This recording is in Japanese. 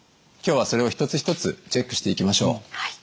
今日はそれを一つ一つチェックしていきましょう。